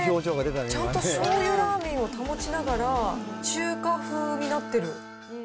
ちゃんとしょうゆラーメンを保ちながら、中華風になってる。